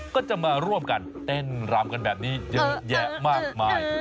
ก็จะมาร่วมกันเต้นรำกันแบบนี้เยอะแยะมากมาย